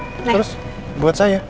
terus buat saya